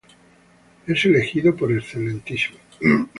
Es elegido por el Excmo.